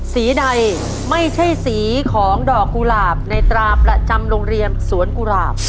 สีใดไม่ใช่สีของดอกกุหลาบในตราประจำโรงเรียนสวนกุหลาบ